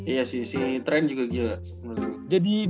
iya sih si train juga gila